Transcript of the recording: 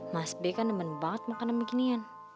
mas b kan nemen banget makanan beginian